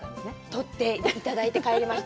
取っていただいて帰りました。